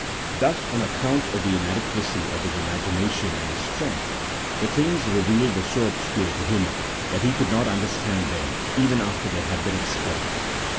Thus, on account of the inadequacy of his imagination and his strength, the things revealed were so obscure to him that he could not understand them even after they had been explained.